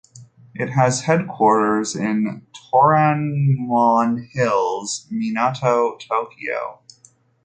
It has its headquarters in Toranomon Hills, Minato, Tokyo.